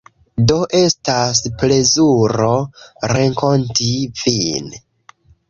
Do, estas plezuro renkonti vin